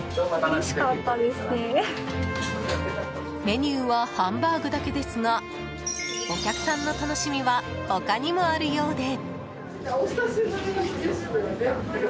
メニューはハンバーグだけですがお客さんの楽しみは他にもあるようで。